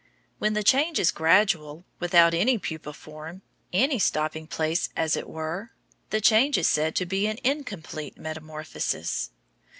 When the change is gradual, without any pupa form, any stopping place as it were, the change is said to be an incomplete metamorphosis.